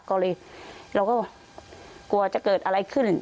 ก็เลยเราก็กลัวจะเกิดอะไรขึ้น